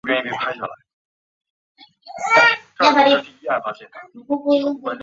医师和患者认为它会造成心智功能的伤害。